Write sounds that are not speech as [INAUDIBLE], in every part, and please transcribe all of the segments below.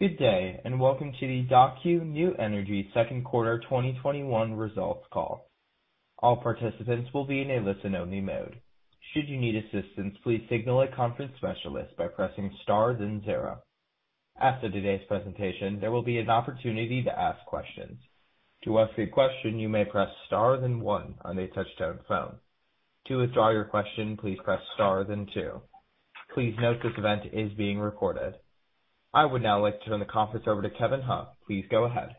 Good day, and welcome to the Daqo New Energy Second Quarter 2021 Results Call. All participants will be in a listen-only mode. Should you need assistance, please signal a conference specialist by pressing star then zero. As of today's presentation, there will be an opportunity to ask questions. To ask a question, you may press star then one on your touchtone phone. To withdraw your question, please press star then two. Please note that the event is being recorded. I would now like to turn the conference over to Kevin He. Please go ahead.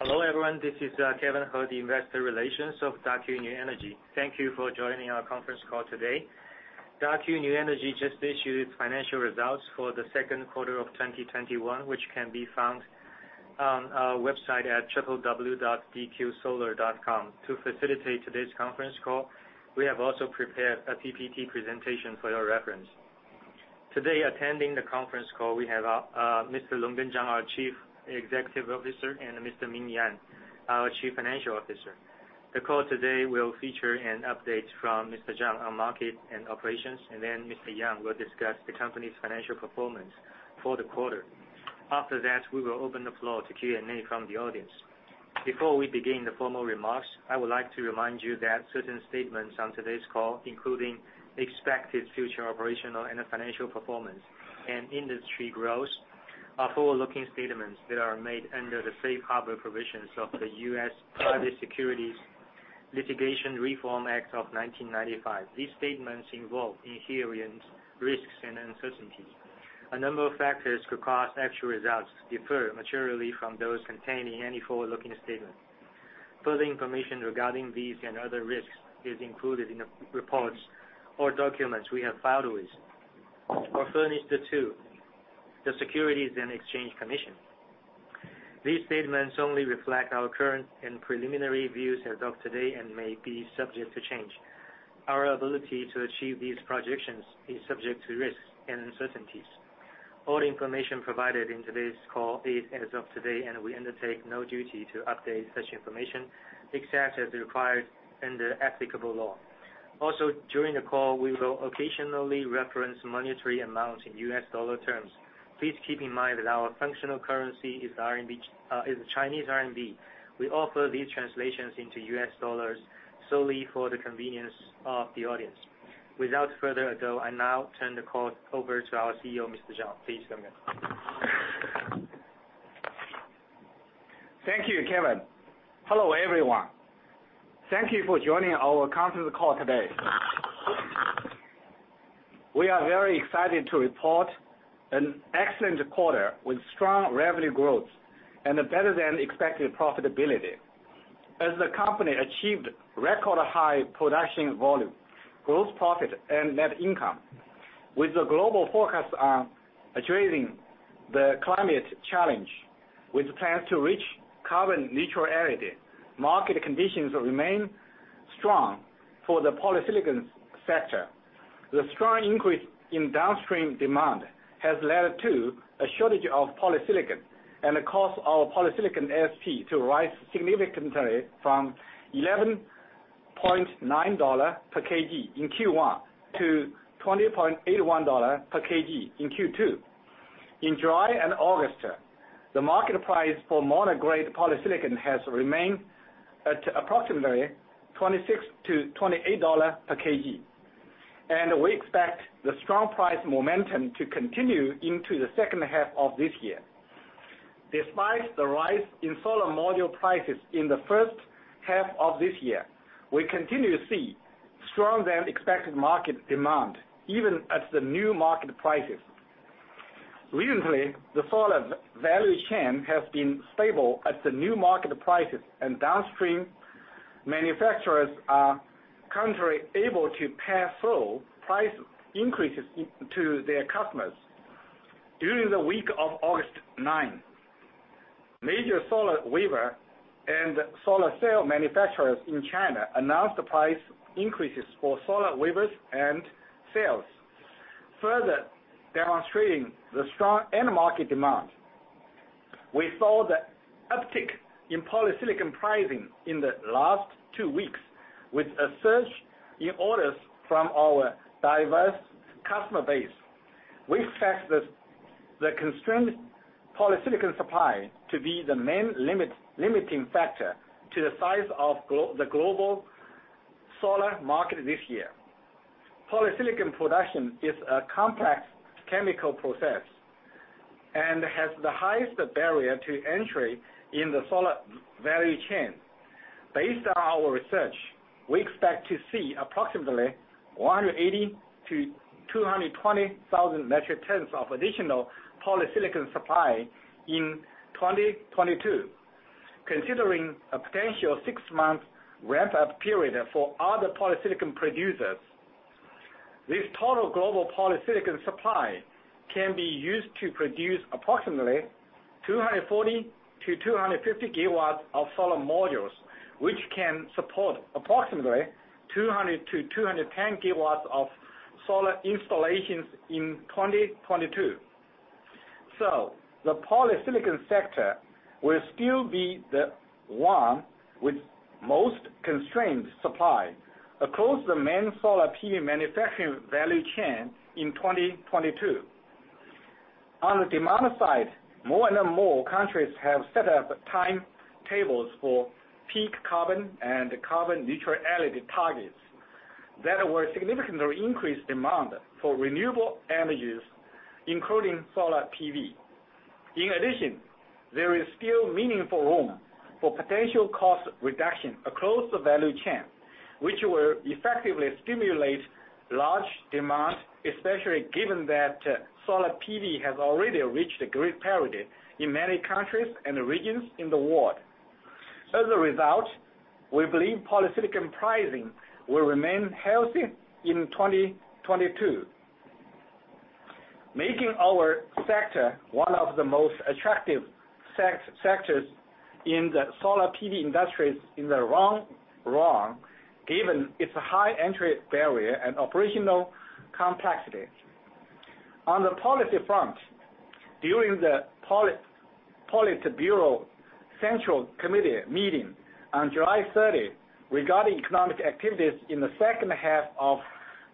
Hello, everyone. This is Kevin He, the investor relations of Daqo New Energy. Thank you for joining our conference call today. Daqo New Energy just issued its financial results for the second quarter of 2021, which can be found on our website at www.dqsolar.com. To facilitate today's conference call, we have also prepared a PPT presentation for your reference. Today, attending the conference call, we have our Mr. Longgen Zhang, our Chief Executive Officer, and Mr. Ming Yang, our Chief Financial Officer. The call today will feature an update from Mr. Zhang on market and operations, and then Mr. Yang will discuss the company's financial performance for the quarter. After that, we will open the floor to Q&A from the audience. Before we begin the formal remarks, I would like to remind you that certain statements on today's call, including expected future operational and financial performance and industry growth, are forward-looking statements that are made under the safe harbor provisions of the U.S. Private Securities Litigation Reform Act of 1995. These statements involve inherent risks and uncertainties. A number of factors could cause actual results to differ materially from those contained in any forward-looking statement. Further information regarding these and other risks is included in the reports or documents we have filed with or furnished to the Securities and Exchange Commission. These statements only reflect our current and preliminary views as of today and may be subject to change. Our ability to achieve these projections is subject to risks and uncertainties. All information provided in today's call is as of today, and we undertake no duty to update such information, except as required under applicable law. Also, during the call, we will occasionally reference monetary amounts in U.S. dollar terms. Please keep in mind that our functional currency is RMB, is Chinese RMB. We offer these translations into U.S. dollars solely for the convenience of the audience. Without further ado, I now turn the call over to our CEO, Mr. Zhang. Please go ahead. Thank you, Kevin. Hello, everyone. Thank you for joining our conference call today. We are very excited to report an excellent quarter with strong revenue growth and a better-than-expected profitability as the company achieved record high production volume, gross profit, and net income. With the global forecast on addressing the climate challenge with plans to reach carbon neutrality, market conditions remain strong for the polysilicon sector. The strong increase in downstream demand has led to a shortage of polysilicon and the cost of polysilicon ASP to rise significantly from $11.9 per kg in Q1 to $20.81 per kg in Q2. In July and August, the market price for mono-grade polysilicon has remained at approximately $26-$28 per kg. We expect the strong price momentum to continue into the second half of this year. Despite the rise in solar module prices in the first half of this year, we continue to see stronger-than-expected market demand, even at the new market prices. Recently, the solar value chain has been stable at the new market prices and downstream manufacturers are currently able to pass through price increases to their customers. During the week of August 9, major solar wafer and solar cell manufacturers in China announced the price increases for solar wafers and cells, further demonstrating the strong end market demand. We saw the uptick in polysilicon pricing in the last two weeks with a surge in orders from our diverse customer base. We expect the constrained polysilicon supply to be the main limiting factor to the size of the global solar market this year. Polysilicon production is a complex chemical process and has the highest barrier to entry in the solar value chain. Based on our research, we expect to see approximately 180,000-220,000 metric tons of additional polysilicon supply in 2022, considering a potential six-month ramp-up period for other polysilicon producers. This total global polysilicon supply can be used to produce approximately 240 GW-250 GW of solar modules, which can support approximately 200 GW-210 GW of solar installations in 2022. The polysilicon sector will still be the one with most constrained supply across the main solar PV manufacturing value chain in 2022. On the demand side, more and more countries have set up timetables for peak carbon and carbon neutrality targets that will significantly increase demand for renewable energies, including solar PV. In addition, there is still meaningful room for potential cost reduction across the value chain, which will effectively stimulate large demand, especially given that solar PV has already reached grid parity in many countries and regions in the world. As a result, we believe polysilicon pricing will remain healthy in 2022, making our sector one of the most attractive sectors in the solar PV industries in the long run, given its high entry barrier and operational complexity. On the policy front, during the Politburo Central Committee meeting on July 30 regarding economic activities in the second half of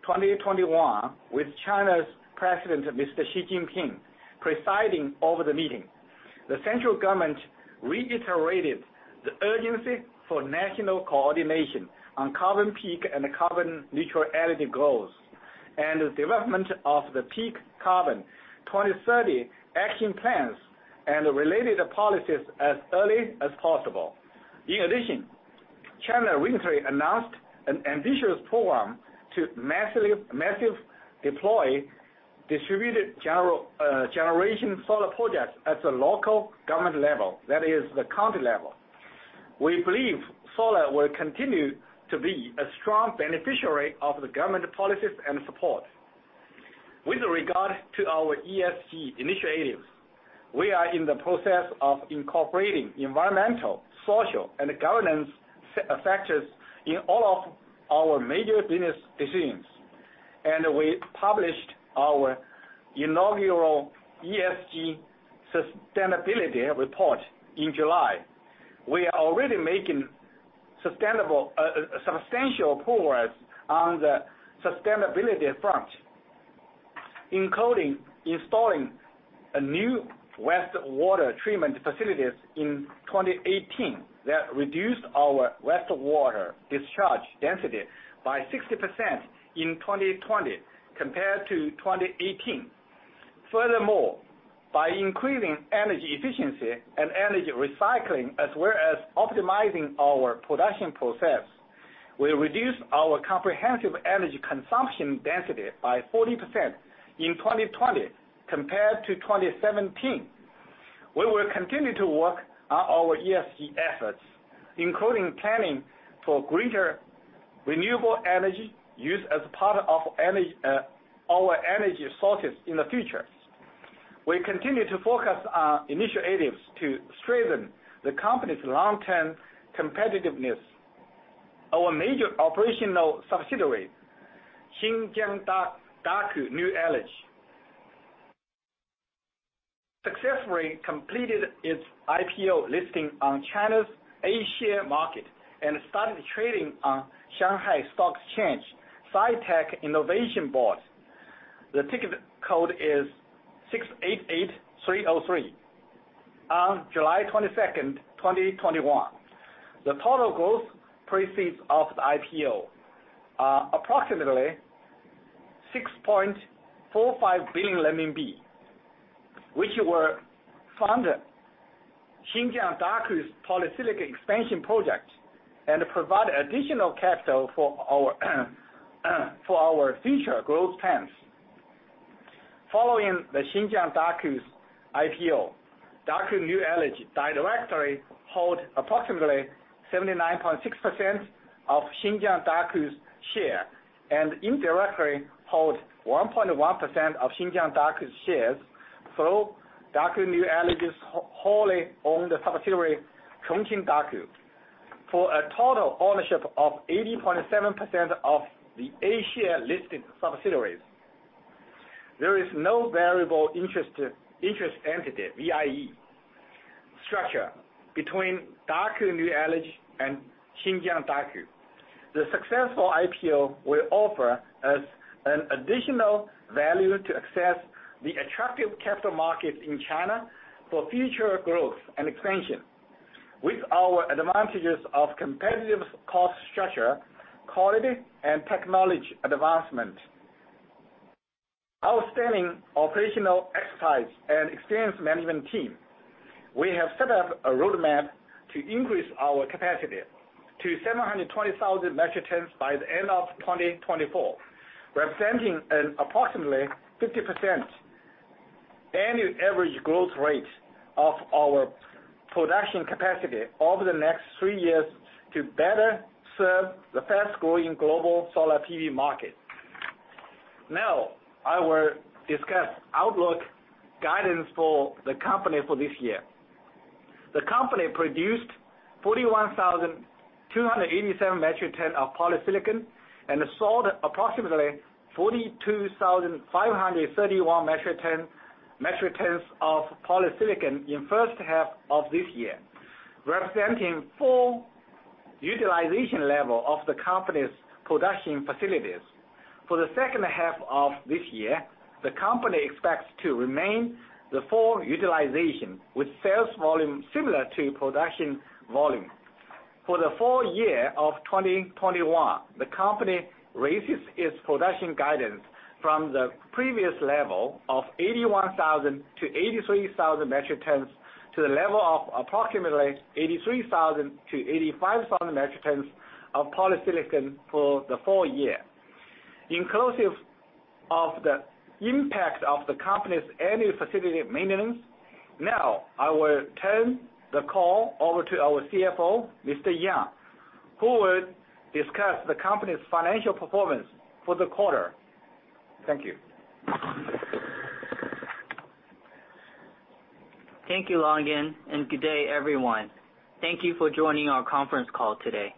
2021 with China's President, Mr. Xi Jinping, presiding over the meeting, the central government reiterated the urgency for national coordination on carbon peak and carbon neutrality goals and the development of the Peak Carbon 2030 Action Plans and related policies as early as possible. In addition, China recently announced an ambitious program to massive deploy distributed generation solar projects at the local government level, that is the county level. We believe solar will continue to be a strong beneficiary of the government policies and support. With regard to our ESG initiatives, we are in the process of incorporating environmental, social, and governance factors in all of our major business decisions. We published our inaugural ESG sustainability report in July. We are already making substantial progress on the sustainability front, including installing a new wastewater treatment facilities in 2018 that reduced our wastewater discharge density by 60% in 2020 compared to 2018. Furthermore, by increasing energy efficiency and energy recycling, as well as optimizing our production process, we reduced our comprehensive energy consumption density by 40% in 2020 compared to 2017. We will continue to work on our ESG efforts, including planning for greater renewable energy use as part of our energy sources in the future. We continue to focus on initiatives to strengthen the company's long-term competitiveness. Our major operational subsidiary, Xinjiang Daqo New Energy, successfully completed its IPO listing on China's A-share market and started trading on Shanghai Stock Exchange Sci-Tech Innovation Board. The ticket code is 688303. On July 22nd, 2021, the total gross proceeds of the IPO are approximately CNY 6.45 billion, which will fund Xinjiang Daqo's polysilicon expansion project and provide additional capital for our future growth plans. Following the Xinjiang Daqo's IPO, Daqo New Energy directly hold approximately 79.6% of Xinjiang Daqo's share and indirectly hold 1.1% of Xinjiang Daqo's shares through Daqo New Energy's wholly-owned subsidiary, Chongqing Daqo, for a total ownership of 80.7% of the A-share listed subsidiaries. There is no variable interest entity, VIE, structure between Daqo New Energy and Xinjiang Daqo. The successful IPO will offer us an additional avenue to access the attractive capital markets in China for future growth and expansion. With our advantages of competitive cost structure, quality, and technology advancement, outstanding operational expertise, and experienced management team, we have set up a roadmap to increase our capacity to 720,000 metric tons by the end of 2024, representing an approximately 50% annual average growth rate of our production capacity over the next three years to better serve the fast-growing global solar PV market. I will discuss outlook guidance for the company for this year. The company produced 41,287 metric tons of polysilicon and sold approximately 42,531 metric tons of polysilicon in first half of this year, representing full utilization level of the company's production facilities. For the second half of this year, the company expects to remain the full utilization with sales volume similar to production volume. For the full year of 2021, the company raises its production guidance from the previous level of 81,000-83,000 metric tons to the level of approximately 83,000-85,000 metric tons of polysilicon for the full year. Inclusive of the impact of the company's annual facility maintenance, I will turn the call over to our CFO, Mr. Yang, who will discuss the company's financial performance for the quarter. Thank you. Thank you, Longgen, and good day, everyone. Thank you for joining our conference call today.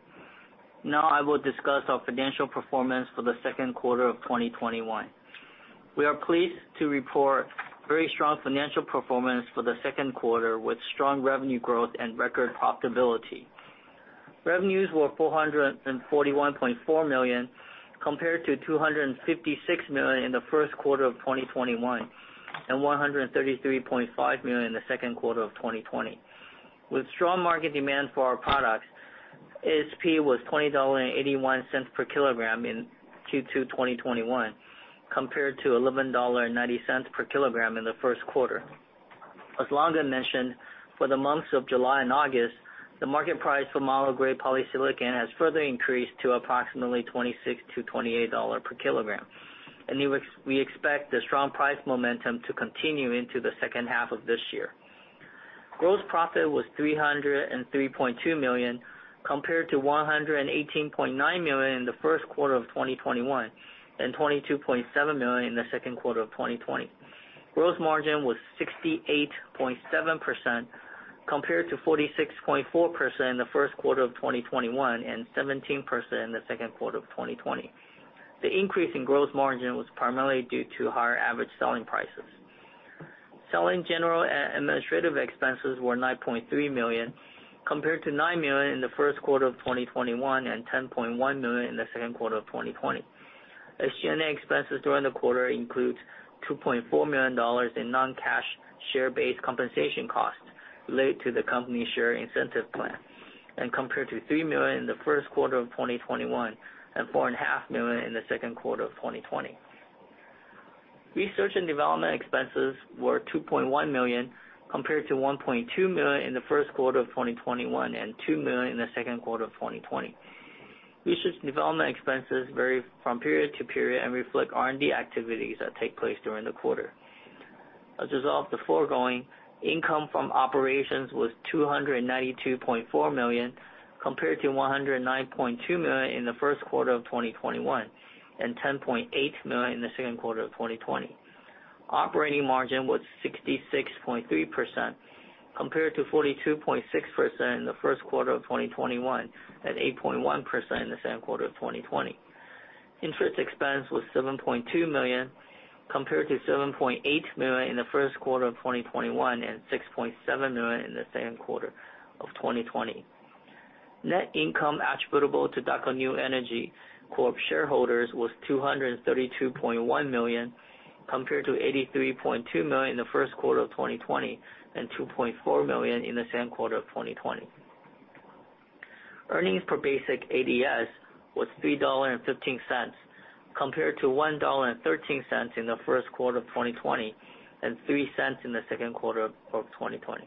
I will discuss our financial performance for the second quarter of 2021. We are pleased to report very strong financial performance for the second quarter with strong revenue growth and record profitability. Revenues were $441.4 million, compared to $256 million in the first quarter of 2021, and $133.5 million in the second quarter of 2020. With strong market demand for our products, ASP was $20.81 per kg in Q2 2021, compared to $11.90 per kg in the first quarter. As Longgen mentioned, for the months of July and August, the market price for mono-grade polysilicon has further increased to approximately $26-$28 per kg. We expect the strong price momentum to continue into the second half of this year. Gross profit was $303.2 million, compared to $118.9 million in the first quarter of 2021, and $22.7 million in the second quarter of 2020. Gross margin was 68.7%, compared to 46.4% in the first quarter of 2021, and 17% in the second quarter of 2020. The increase in gross margin was primarily due to higher average selling prices. Selling general administrative expenses were $9.3 million, compared to $9 million in the first quarter of 2021, and $10.1 million in the second quarter of 2020. As G&A expenses during the quarter includes $2.4 million in non-cash share-based compensation costs related to the company share incentive plan, and compared to $3 million in the first quarter of 2021, and $4.5 million in the second quarter of 2020. Research and development expenses were $2.1 million, compared to $1.2 million in the first quarter of 2021, and $2 million in the second quarter of 2020. Research and development expenses vary from period to period and reflect R&D activities that take place during the quarter. As a result of the foregoing, income from operations was $292.4 million, compared to $109.2 million in the first quarter of 2021, and $10.8 million in the second quarter of 2020. Operating margin was 66.3%, compared to 42.6% in the first quarter of 2021, and 8.1% in the second quarter of 2020. Interest expense was $7.2 million, compared to $7.8 million in the first quarter of 2021, and $6.7 million in the second quarter of 2020. Net income attributable to Daqo New Energy Corp shareholders was $232.1 million, compared to $83.2 million in the first quarter of 2020, and $2.4 million in the second quarter of 2020. Earnings per basic ADS was $3.15, compared to $1.13 in the first quarter of 2020, and $0.03 in the second quarter of 2020.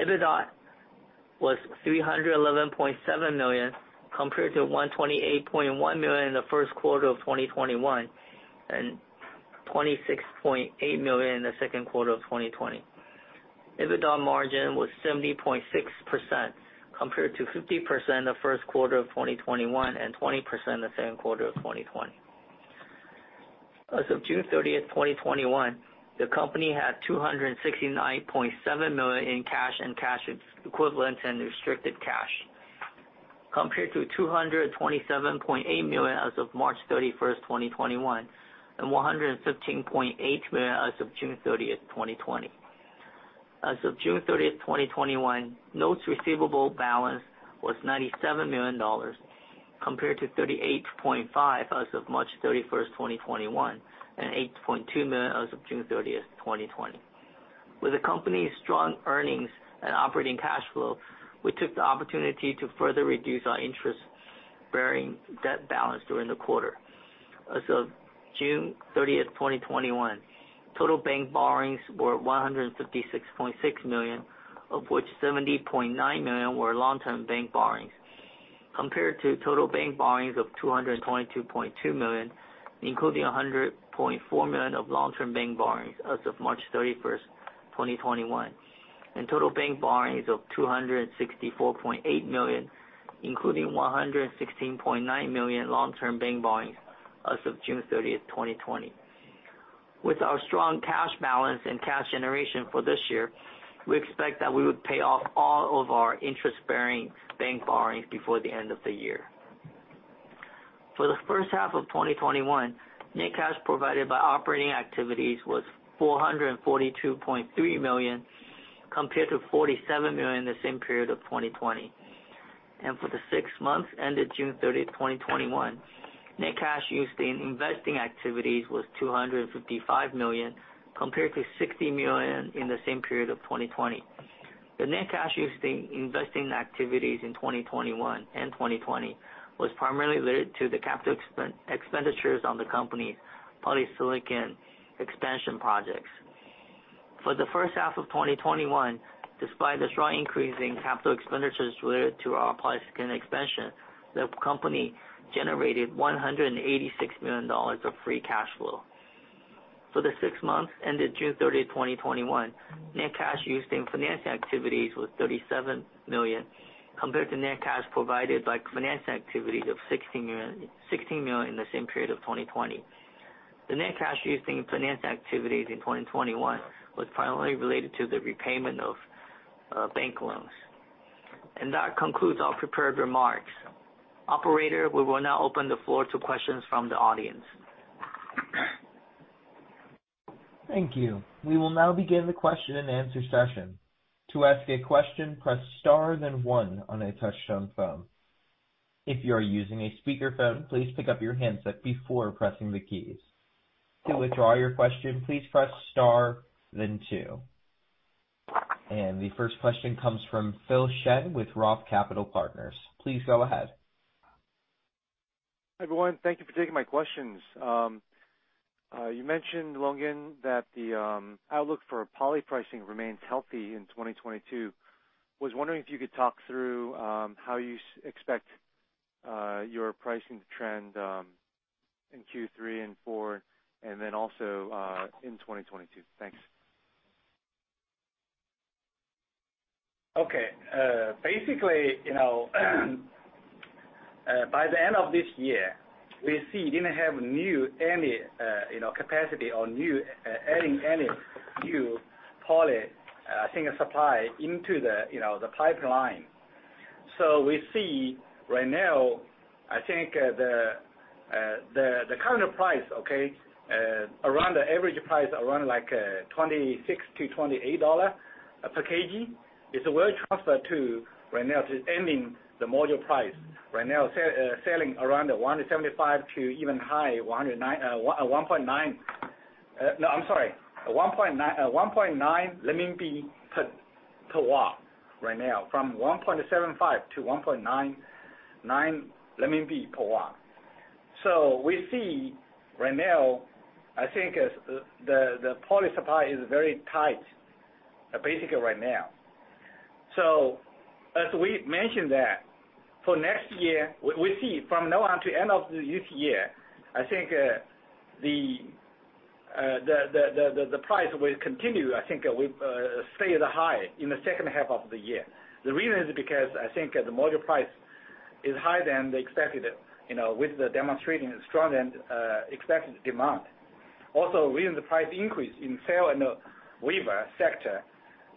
EBITDA was $311.7 million, compared to $128.1 million in the first quarter of 2021, and $26.8 million in the second quarter of 2020. EBITDA margin was 70.6%, compared to 50% in the first quarter of 2021, and 20% in the second quarter of 2020. As of June 30th, 2021, the company had $269.7 million in cash and cash equivalent and restricted cash, compared to $227.8 million as of March 31st, 2021, and $115.8 million as of June 30th, 2020. As of June 30th, 2021, notes receivable balance was $97 million, compared to $38.5 million as of March 31st, 2021, and $8.2 million as of June 30th, 2020. With the company's strong earnings and operating cash flow, we took the opportunity to further reduce our interest-bearing debt balance during the quarter. As of June 30th, 2021, total bank borrowings were $156.6 million, of which $70.9 million were long-term bank borrowings, compared to total bank borrowings of $222.2 million, including $100.4 million of long-term bank borrowings as of March 31st, 2021, and total bank borrowings of $264.8 million, including $116.9 million long-term bank borrowings as of June 30th, 2020. With our strong cash balance and cash generation for this year, we expect that we would pay off all of our interest-bearing bank borrowings before the end of the year. For the first half of 2021, net cash provided by operating activities was $442.3 million, compared to $47 million the same period of 2020. For the six months ended June 30th, 2021, net cash used in investing activities was $255 million, compared to $60 million in the same period of 2020. The net cash used in investing activities in 2021 and 2020 was primarily related to the capital expenditures on the company's polysilicon expansion projects. For the first half of 2021, despite the strong increase in capital expenditures related to our polysilicon expansion, the company generated $186 million of free cash flow. For the six months ended June 30th, 2021, net cash used in finance activities was $37 million, compared to net cash provided by finance activities of $16 million in the same period of 2020. The net cash used in finance activities in 2021 was primarily related to the repayment of bank loans. That concludes our prepared remarks. Operator, we will now open the floor to questions from the audience. Thank you. We will now begin the question-and-answer session. To ask a question, press star then one on a touchtone phone. If you are using a speakerphone, please pick up your handset before pressing the keys. To withdraw your question, please press star then two. The first question comes from Phil Shen with Roth Capital Partners. Please go ahead. Hi, everyone. Thank you for taking my questions. You mentioned, Longgen, that the outlook for poly pricing remains healthy in 2022. Was wondering if you could talk through how you expect your pricing trend in Q3 and Q4, and then also in 2022. Thanks. Okay. Basically, you know, by the end of this year, we see didn't have new any capacity or new adding any new poly supply into the pipeline. We see right now, I think, the current price, okay, around the average price around, like, $26-$28 per kg is well transferred to right now to ending the module price. Right now selling around the 1.75 to even high 1.9, 1.9 per watt right now. From 1.75 to 1.99 per watt. We see right now, I think, the poly supply is very tight, basically right now. As we mentioned that, for next year we see from now on to end of this year, I think, the price will continue, I think, with stay the high in the second half of the year. The reason is because I think, the module price is higher than the expected, you know, with the demonstrating strong and expected demand. Also recent price increase in cell and the wafer sector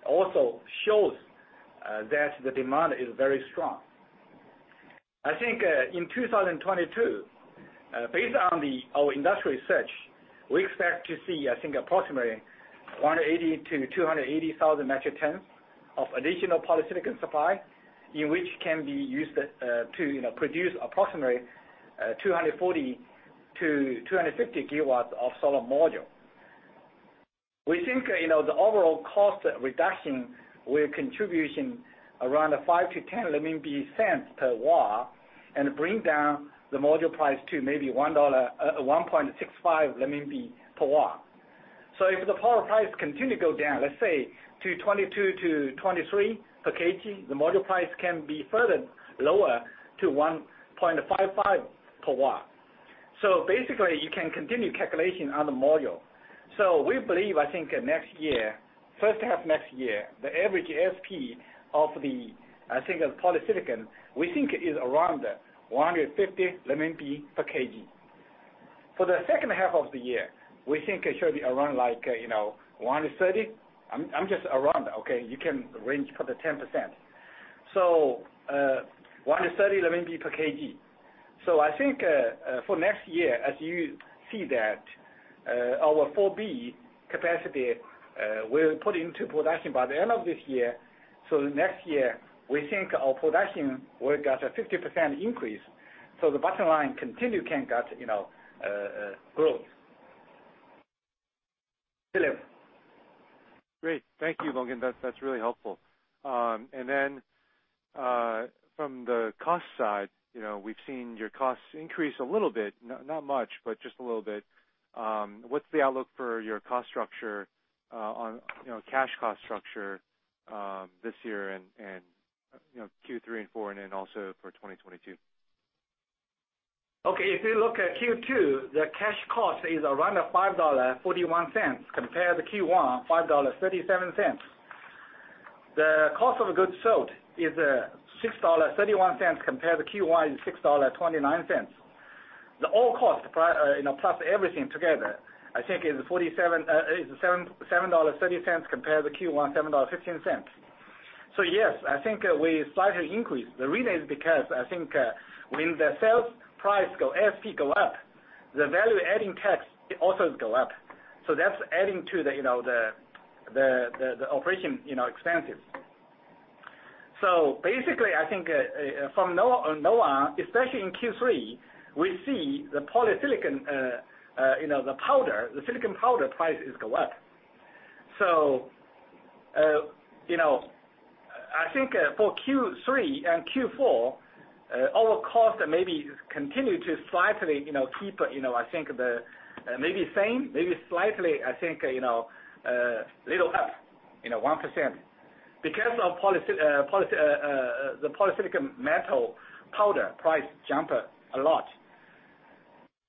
also shows that the demand is very strong. I think, in 2022, based on the, our industry research, we expect to see, I think, approximately 180,000-280,000 metric tons of additional polysilicon supply, in which can be used, to, you know, produce approximately 240 GW-250 GW of solar module. We think, you know, the overall cost reduction will contribution around 0.05-0.10 RMB per watt and bring down the module price to maybe 1.65 RMB per watt. If the poly price continue go down, let's say, to 22-23 per kg, the module price can be further lower to 1.55 per watt. Basically you can continue calculation on the module. We believe, next year, first half next year, the average ASP of polysilicon, we think is around 150 per kg. For the second half of the year, we think it should be around 130. I'm just around, okay. You can range for the 10%. 130 RMB per kg. For next year, as you see that, our 4B capacity will put into production by the end of this year. Next year we think our production will get a 50% increase, so the bottom line continue can get growth. Phil? Great. Thank you, Longgen. That's really helpful. From the cost side, you know, we've seen your costs increase a little bit. Not much, but just a little bit. What's the outlook for your cost structure, on, you know, cash cost structure, this year and, you know, Q3 and Q4, and then also for 2022? If you look at Q2, the cash cost is around $5.41 compared to Q1, $5.37. The cost of goods sold is $6.31 compared to Q1 $6.29. The all cost, you know, plus everything together, I think is $7.30 compared to Q1 $7.15. Yes, I think we slightly increased. The reason is because I think, when the sales price go, ASP go up, the value-added tax also go up. That's adding to the, you know, the operation, you know, expenses. I think, from now on, especially in Q3, we see the polysilicon, you know, the powder, the silicon powder price is go up. I think for Q3 and Q4, our cost maybe continue to slightly keep the same, maybe slightly little up 1%. Because of the polysilicon metal powder price jump a lot.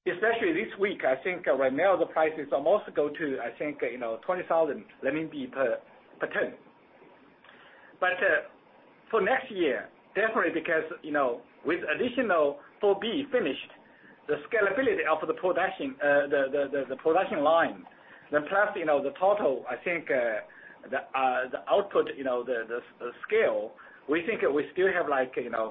Especially this week, right now the prices almost go to 20,000 renminbi per ton. For next year, definitely because with additional 4B finished, the scalability of the production, the production line, plus the total output scale, we think we still have 2%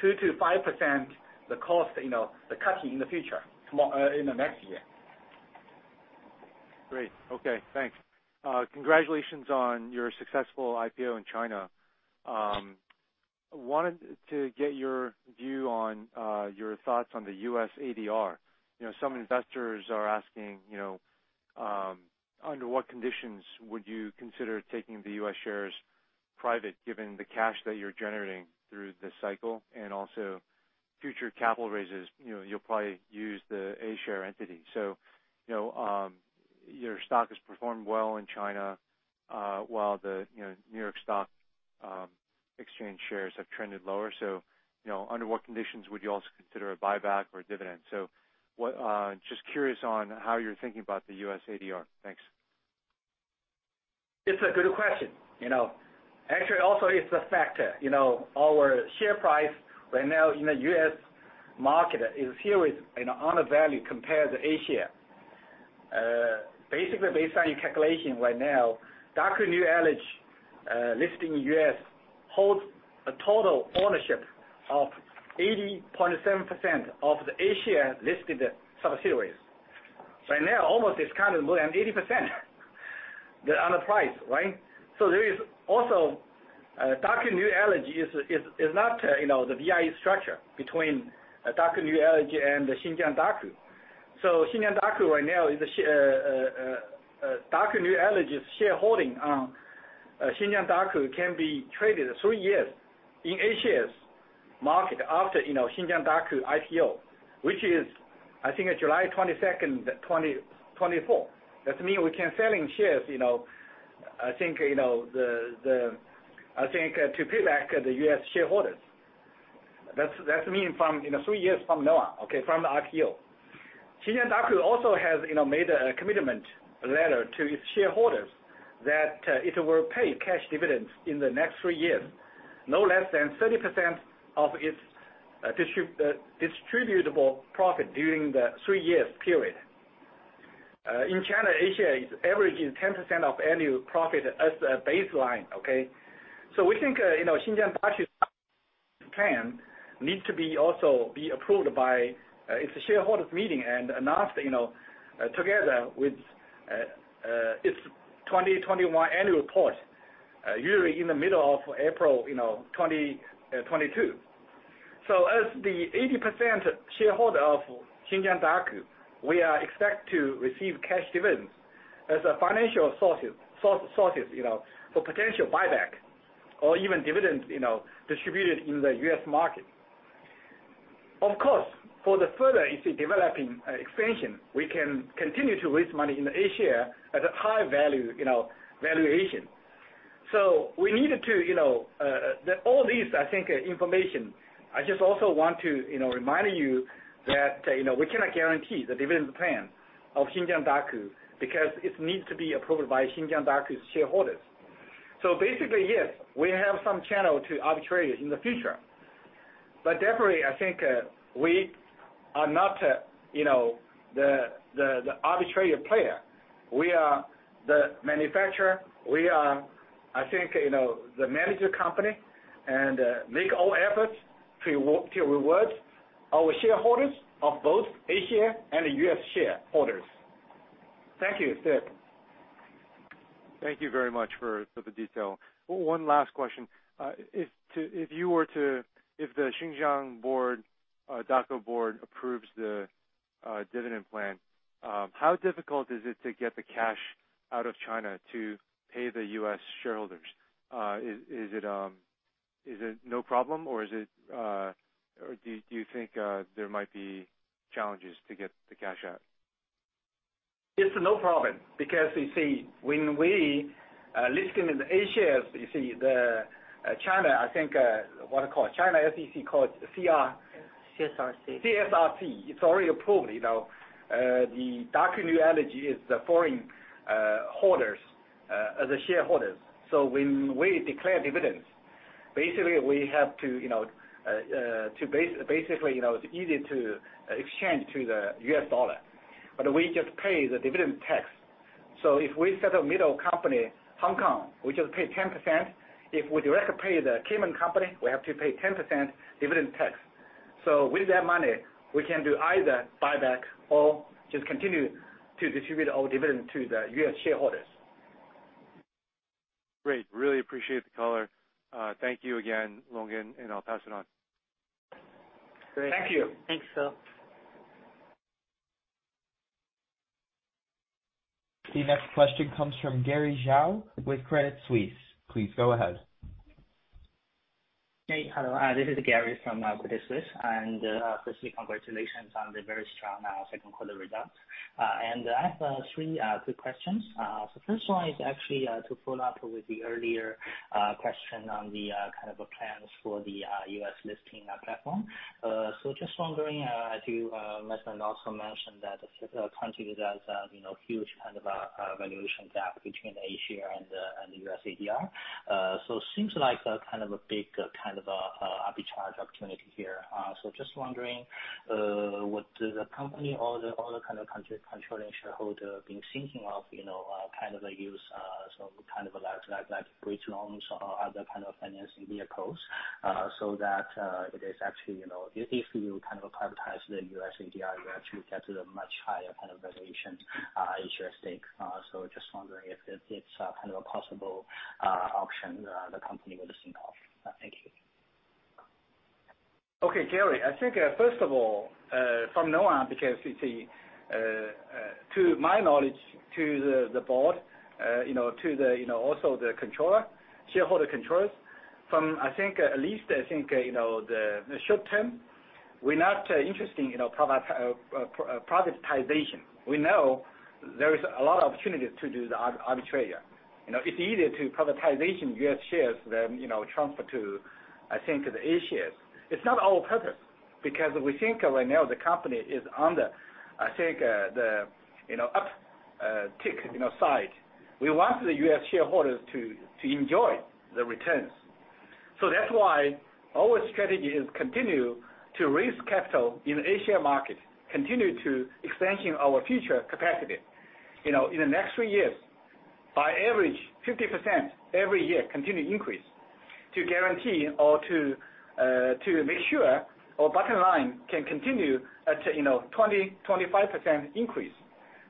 to 5% the cost cutting in the future, in the next year. Great. Okay, thanks. Congratulations on your successful IPO in China. Wanted to get your view on your thoughts on the U.S. ADR. You know, some investors are asking, you know, under what conditions would you consider taking the U.S. shares private, given the cash that you're generating through this cycle and also future capital raises, you know, you'll probably use the A-share entity. You know, your stock has performed well in China, while the, you know, New York Stock Exchange shares have trended lower. You know, under what conditions would you also consider a buyback or a dividend? What, just curious on how you're thinking about the U.S. ADR. Thanks. It's a good question, you know. Actually, also it's a factor. You know, our share price right now in the U.S. market is, you know, on a value compared to A-share. Basically based on your calculation right now, Daqo New Energy listing in U.S. holds a total ownership of 80.7% of the A-share listed subsidiaries. Right now, almost it's kind of more than 80% on the price, right? There is also, Daqo New Energy is not, you know, the VIE structure between Daqo New Energy and Xinjiang Daqo. Xinjiang Daqo right now is Daqo New Energy's shareholding on Xinjiang Daqo can be traded three years in A-shares market after Xinjiang Daqo IPO, which is, I think, July 22nd, 2024. That means we can sell shares, you know, I think, you know, the, I think, to pay back the U.S. shareholders. That means from, you know, three years from now on, okay? From the IPO. Xinjiang Daqo also has, you know, made a commitment letter to its shareholders that it will pay cash dividends in the next three years, no less than 30% of its distributable profit during the three-year period. In China, A-share is averaging 10% of annual profit as a baseline, okay? We think, you know, Xinjiang Daqo's plan needs to also be approved by its shareholders meeting and announced, you know, together with its 2021 annual report, usually in the middle of April, you know, 2022. As the 80% shareholder of Xinjiang Daqo, we are expect to receive cash dividends as a financial sources, you know, for potential buyback or even dividends, you know, distributed in the U.S. market. Of course, for the further, you see, developing, expansion, we can continue to raise money in the A-share at a high value, you know, valuation. We need to, you know, all these, I think, information, I just also want to, you know, remind you that, you know, we cannot guarantee the dividend plan of Xinjiang Daqo because it needs to be approved by Xinjiang Daqo's shareholders. Basically, yes, we have some channel to arbitrate in the future. Definitely, I think, we are not, you know, the arbitrary player. We are the manufacturer. We are, I think, you know, the manager company and make all efforts to reward our shareholders of both A-share and U.S. shareholders. Thank you, Phil. Thank you very much for the detail. One last question. If the Xinjiang Board, Daqo Board approves the dividend plan, how difficult is it to get the cash out of China to pay the U.S. shareholders? Is it no problem, or do you think there might be challenges to get the cash out? It's no problem because you see, when we listing in the A-shares, you see the China, I think, what you call? China SEC. CSRC. CSRC. It's already approved, you know. Daqo New Energy is the foreign holders, the shareholders. When we declare dividends, basically we have to, you know, basically, you know, it's easy to exchange to the U.S. dollar. We just pay the dividend tax. If we set a middle company, Hong Kong, we just pay 10%. If we direct pay the Cayman company, we have to pay 10% dividend tax. With that money we can do either buyback or just continue to distribute our dividend to the U.S. shareholders. Great. Really appreciate the color. Thank you again, Longgen, and I'll pass it on. Thank you. Thanks, Phil. The next question comes from Gary Zhou with Credit Suisse. Please go ahead. Hey. Hello. This is Gary from Credit Suisse. Firstly congratulations on the very strong second quarter results. I have three quick questions. First one is actually to follow up with the earlier question on the kind of plans for the U.S. listing platform. Just wondering, as you mentioned and also mentioned that currently there's, you know, huge kind of valuation gap between the A-share and the U.S. ADR. Seems like a kind of a big kind of arbitrage opportunity here. Just wondering, would the company or the, or the kind of control, controlling shareholder been thinking of, you know, kind of like use, some kind of like bridge loans or other kind of financing vehicles, so that, it is actually, you know If, if you kind of prioritize the U.S. ADR, you actually get a much higher kind of valuation, in share stake. Just wondering if it's kind of a possible option the company would think of. Thank you. Okay, Gary. I think, first of all, from now on because you see, to my knowledge to the board, you know, to the, you know, also the controller, shareholder controllers, from I think at least I think, you know, the short term, we're not interesting, you know, privatization. We know there is a lot of opportunities to do the arbitrage. You know, it's easier to privatization U.S. shares than, you know, transfer to, I think, the A-shares. It's not our purpose because we think right now the company is under, I think, the, you know, up tick, you know, side. We want the U.S. shareholders to enjoy the returns. That's why our strategy is continue to raise capital in A-share market, continue to expansion our future capacity. You know, in the next three years, by average 50% every year continue increase to guarantee or to make sure our bottom line can continue at, you know, 20%-25% increase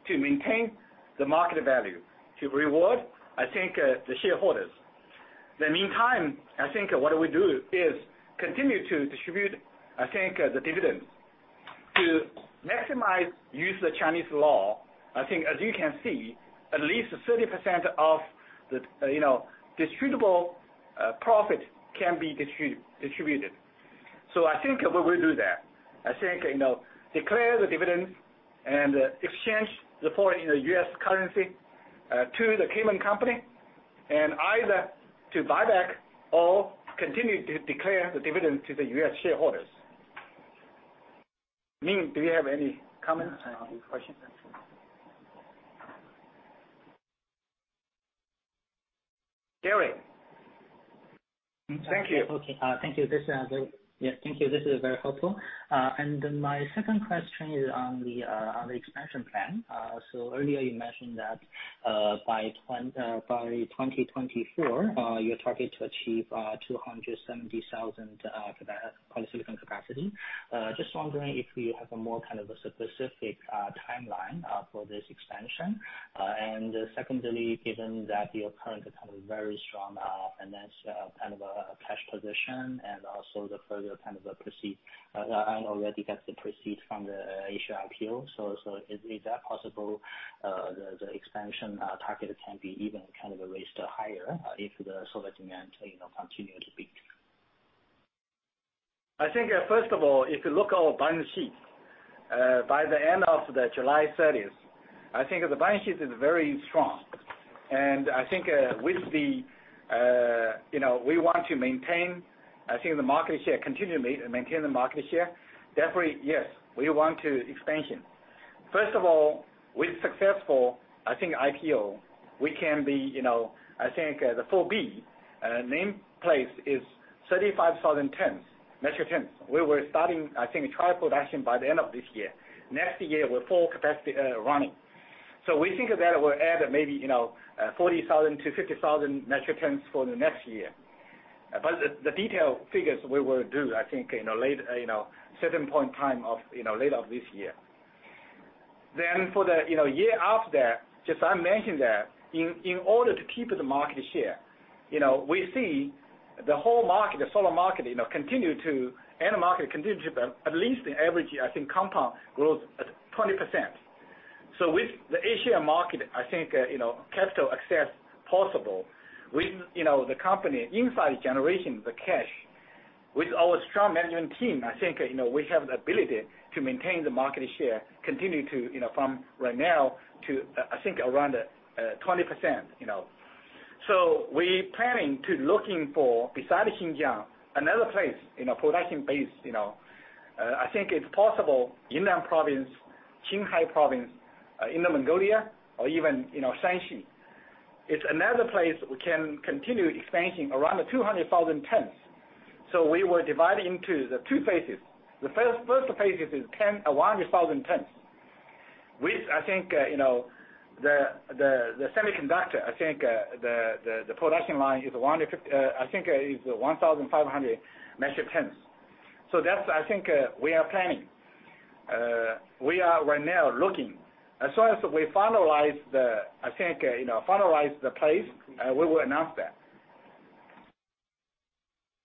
to maintain the market value, to reward, I think, the shareholders. The meantime, I think what we do is continue to distribute, I think, the dividends to maximize use the Chinese law. I think as you can see, at least 30% of the, you know, distributable profit can be distributed. I think we will do that. I think, you know, declare the dividends and exchange the foreign, you know, U.S. currency to the Cayman company, and either to buyback or continue to declare the dividend to the U.S. shareholders. Ming, do you have any comments? [CROSSTALK] questions, that's it. Gary? Thank you. Okay. Thank you. This is very helpful. Thank you. My second question is on the expansion plan. Earlier you mentioned that by 2024, you target to achieve 270,000 polysilicon capacity. Just wondering if you have a more kind of a specific timeline for this expansion. Secondly, given that your current kind of very strong finance cash position and also the further kind of proceed and already got the proceed from the A-share IPO, is that possible the expansion target can be even kind of raised higher if the solar demand, you know, continue to be? I think, first of all, if you look our balance sheet, by the end of July 30th, I think the balance sheet is very strong. I think, with the, you know, we want to maintain, I think the market share, continue maintain the market share. Definitely, yes, we want to expansion. First of all, with successful I think IPO, we can be, you know, I think, the 4B, name plate is 35,000 tons, metric tons. We were starting, I think, trial production by the end of this year. Next year, we're full capacity, running. We think that will add maybe, you know, 40,000-50,000 metric tons for the next year. The, the detail figures we will do, I think, you know, late, you know, certain point time of, you know, later of this year. For the, you know, year after, just I mentioned that in order to keep the market share, you know, we see the whole market, the solar market, you know, continue to, and the market continue to at least in every year I think compound grows at 20%. With the A-share market, I think, you know, capital access possible with, you know, the company inside generating the cash. With our strong management team, I think, you know, we have the ability to maintain the market share, continue to, you know, from right now to, I think around, 20%, you know. We planning to looking for, beside Xinjiang, another place in a production base, you know. I think it's possible inland province, Qinghai province, Inner Mongolia or even, you know, Shanxi. It's another place we can continue expanding around the 200,000 tons. We will divide into the two phases. The first phase is 100,000 tons, which I think, you know, the semiconductor, I think the production line is 1,500 metric tons. That's, I think, we are planning. We are right now looking. As soon as we finalize the, I think, you know, finalize the place, we will announce that.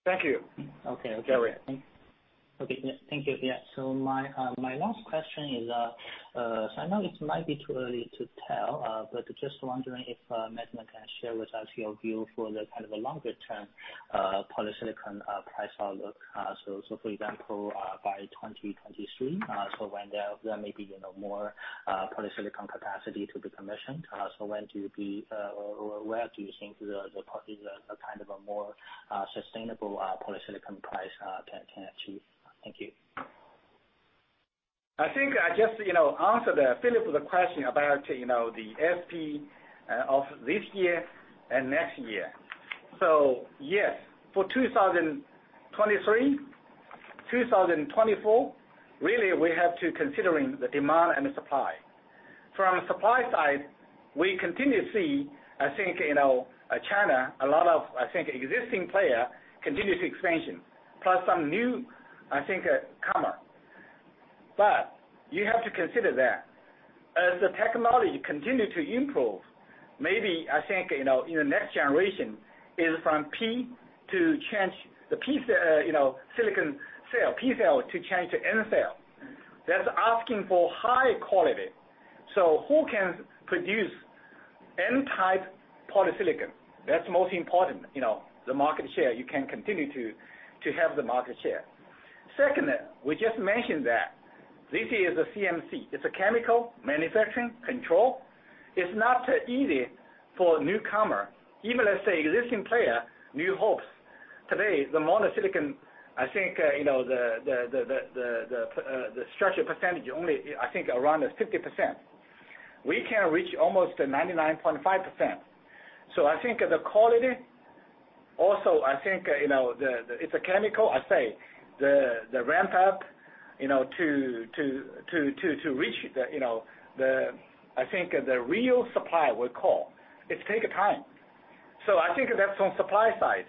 Thank you. Okay. Okay. Gary. Okay. Yes. Thank you. Yes. My last question is, I know it might be too early to tell, but just wondering if Ming can share with us your view for the kind of a longer-term polysilicon price outlook. For example, by 2023, when there may be, you know, more polysilicon capacity to be commissioned. When do you or where do you think the kind of a more sustainable polysilicon price can achieve? Thank you. I think I just, you know, answered, Philip, the question about, you know, the ASP of this year and next year. Yes, for 2023, 2024, really we have to considering the demand and the supply. From supply side, we continue to see, I think, you know, China, a lot of, I think, existing player continues expansion, plus some new, I think, comer. You have to consider that as the technology continue to improve, maybe I think, you know, in the next generation is from P-type to change the P-type, you know, silicon cell, P-type cell to change to N-type cell. That's asking for high quality. Who can produce N-type polysilicon? That's most important, you know, the market share. You can continue to have the market share. Second, we just mentioned that this is a CMC. It's a Chemical Manufacturing Control. It's not easy for newcomer. Even let's say existing player, New Hopes. Today, the mono silicon, I think, you know, the structure percentage only, I think around 50%. We can reach almost 99.5%. I think the quality also I think, you know, the it's a chemical, I say the ramp up, you know, to reach the, you know, I think the real supply we call, it takes a time. I think that's on supply side.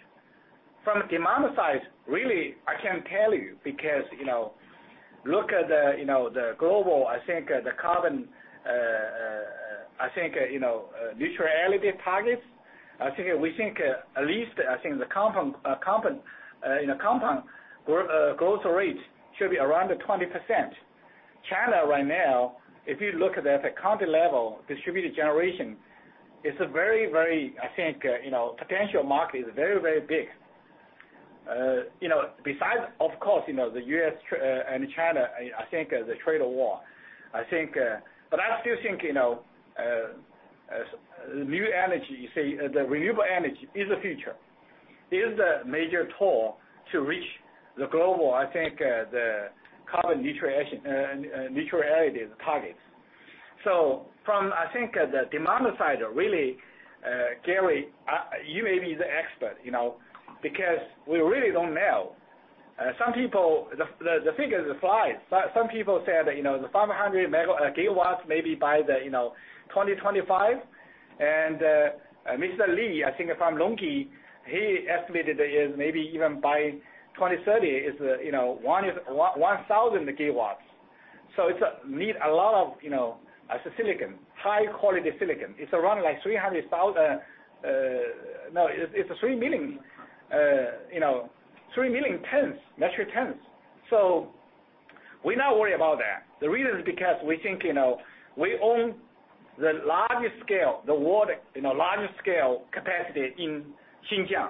From demand side, really, I can't tell you because, you know, look at the, you know, the global, I think, the carbon neutrality targets. I think we think, at least I think the compound, you know, growth rate should be around 20%. China right now, if you look at the county level distributed generation, it's a very, I think, you know, potential market is very, very big. You know, besides, of course, you know, the U.S. and China, I think the trade war. I think, I still think, you know, new energy, say the renewable energy is the future. It is the major tool to reach the global, I think, the carbon neutrality targets. From, I think, the demand side, really, Gary, you may be the expert, you know, because we really don't know. Some people. The figure is wide. Some people said that, you know, the 500 GW may be by, you know, 2025. Li, I think from LONGi, he estimated that is maybe even by 2030 is, you know, 1,000 GW. It's need a lot of, you know, silicon, high quality silicon. It's around like 3 million, you know, 3 million tons, metric tons. We not worry about that. The reason is because we think, you know, we own the largest scale, the world, you know, largest scale capacity in Xinjiang,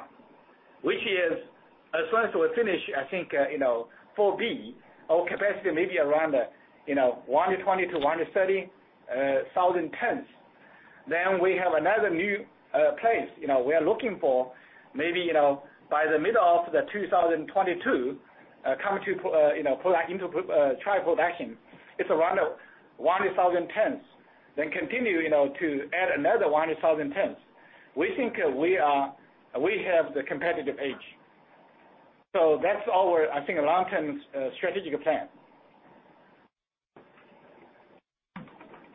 which is as soon as we finish, I think, you know, 4B, our capacity may be around, you know, 120,000 tons-130,000 tons. We have another new place, you know, we are looking for maybe, you know, by the middle of 2022, come to, you know, product into try production. It's around 1,000 tons. Continue, you know, to add another 1,000 tons. We think we have the competitive edge. That's our, I think, long-term strategic plan.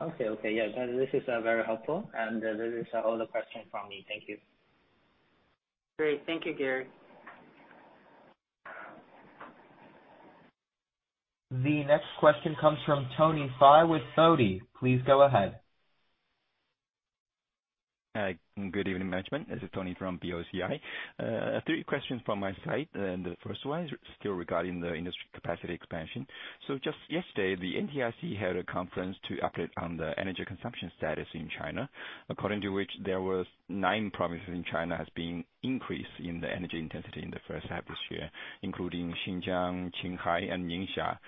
Okay. Okay. Yeah. This is very helpful. This is all the question from me. Thank you. Great. Thank you, Gary. The next question comes from Tony Fei with BOCI. Please go ahead. Hi, good evening management. This is Tony from BOCI. Three questions from my side, and the first one is still regarding the industry capacity expansion. Just yesterday, the NDRC had a conference to update on the energy consumption status in China, according to which there was nine provinces in China has been increase in the energy intensity in the first half this year, including Xinjiang, Qinghai and Ningxia.